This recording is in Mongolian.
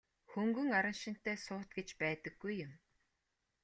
Хөнгөн араншинтай суут гэж байдаггүй юм.